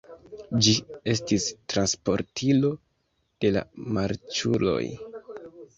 Ĝi estis transportilo de la malriĉuloj.